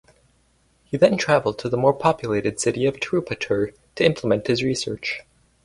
He then traveled to the more populated city of Tirupattur to implement his research.